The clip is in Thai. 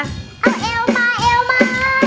เอาเอวมาเอวมา